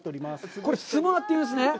これ、スモアというんですね。